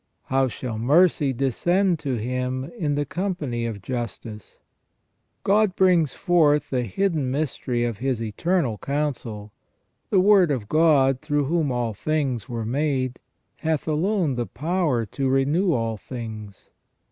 How shall mercy descend to him in the company of justice? God brings forth the hidden mystery of His eternal counsel. The Word of God, through whom all things were made, hath alone the power to renew all things.